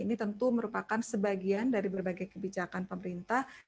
ini tentu merupakan sebagian dari berbagai kebijakan pemerintah